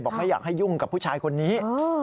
ไม่อยากให้ยุ่งกับผู้ชายคนนี้